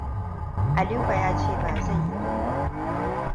Aliko ya ce ba zai yi ba.